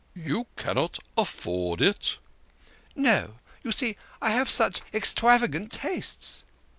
" You cannot afford it !" "No you see I have such extravagant tastes."